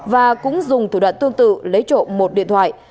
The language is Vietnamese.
và cũng dùng thủ đoạn tương tự lấy trộm một điện thoại